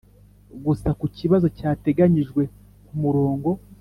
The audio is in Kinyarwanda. gusa ku kibazo cyateganyijwe ku murongo